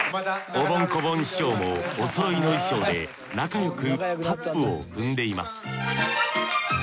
おぼん・こぼん師匠もおそろいの衣装で仲よくタップを踏んでいます